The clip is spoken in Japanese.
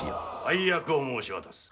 配役を申し渡す。